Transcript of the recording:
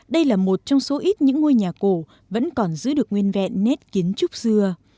đây là một trong số ít những ngôi nhà cổ vẫn còn giữ được nguyên vẹn nét kiến trúc xưa